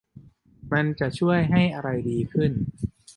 มันจะช่วยให้อะไรดีขึ้น